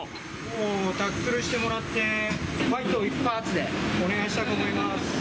もうタックルしてもらって、ファイト一発でお願いしたく思います。